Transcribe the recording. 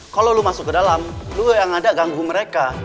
kalau lo masuk ke dalam lo yang ada ganggu mereka